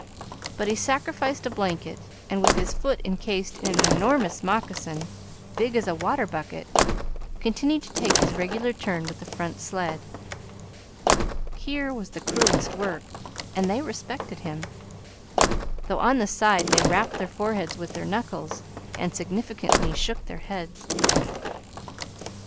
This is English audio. But he sacrificed a blanket, and, with his foot incased in an enormous moccasin, big as a water bucket, continued to take his regular turn with the front sled. Here was the cruellest work, and they respected him, though on the side they rapped their foreheads with their knuckles and significantly shook their heads.